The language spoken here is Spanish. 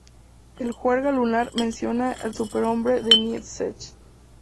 En "Juerga Lunar" menciona al superhombre de Nietzsche.